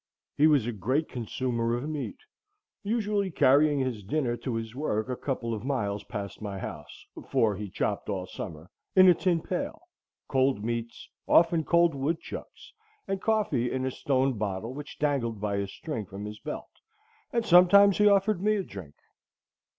He was a great consumer of meat, usually carrying his dinner to his work a couple of miles past my house,—for he chopped all summer,—in a tin pail; cold meats, often cold woodchucks, and coffee in a stone bottle which dangled by a string from his belt; and sometimes he offered me a drink.